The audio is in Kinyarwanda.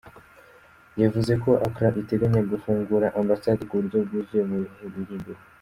Yavuze ko Accra iteganya gufungura Ambasade ku buryo bwuzuye mu bihe biri imbere.